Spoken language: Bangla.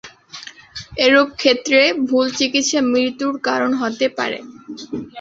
এরূপ ক্ষেত্রে ভুল চিকিৎসা মৃত্যুর কারণ হতে পারে।